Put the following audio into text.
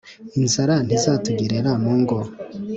inzara ntizatugerera mu ngo